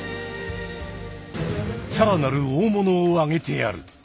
さらなる大物をあげてやる。